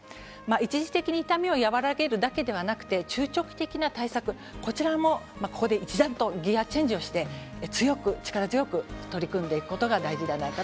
一時的に痛みを和らげるだけではなくて中長期的な対策、こちらもここで一段とギアチェンジをして強く力強く取り組んでいくことが大事ではないかと思います。